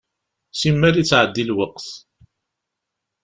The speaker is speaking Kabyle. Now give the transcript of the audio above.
Simmal ittɛeddi lweqt.